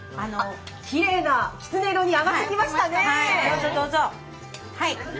きれいなきつね色に揚がってきましたね。